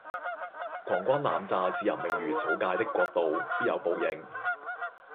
狂轟濫炸視人命如草芥嘅國度必有報應。